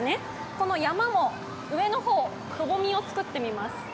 この山も上の方、くぼみを作ってみます